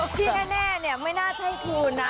พี่แนะเนี่ยไม่น่าจะให้คุณนะ